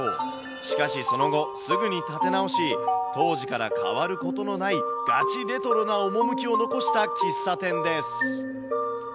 しかしその後、すぐに建て直し、当時から変わることのないガチレトロな趣を残した喫茶店です。